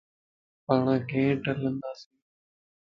پاڻان ڪيئن ھلنداسين؟